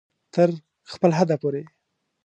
تر خپل حده پورې